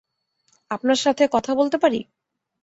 আপনার সাথে কথা বলতে পারি?